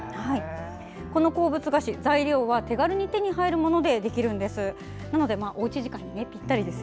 この鉱物菓子、材料は手軽に手に入るものでできるんです。